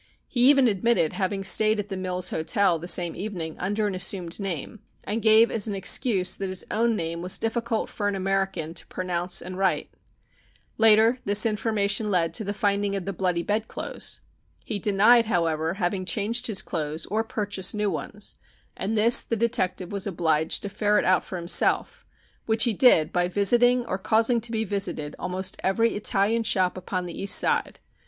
He even admitted having stayed at the Mills Hotel the same evening under an assumed name, and gave as an excuse that his own name was difficult for an American to pronounce and write. Later, this information led to the finding of the bloody bedclothes. He denied, however, having changed his clothes or purchased new ones, and this the detective was obliged to ferret out for himself, which he did by visiting or causing to be visited almost every Italian shop upon the East Side.